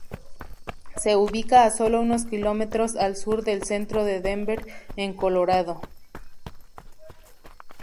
Se ubica a solo unos kilómetros al sur del centro de Denver, en Colorado.